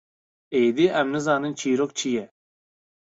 êdî em nizanin çîrok çi ye.